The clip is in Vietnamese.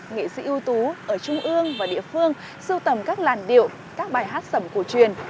nghệ sĩ ưu tú ở trung ương và địa phương sưu tầm các làn điệu các bài hát sẩm cổ truyền